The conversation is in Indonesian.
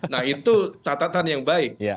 nah itu catatan yang baik